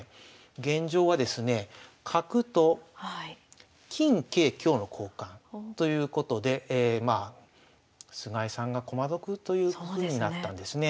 現状はですね角と金桂香の交換ということで菅井さんが駒得というふうになったんですね。